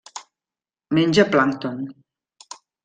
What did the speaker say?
Menja plàncton.